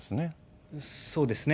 そうですね。